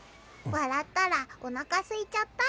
笑ったらおなかすいちゃった。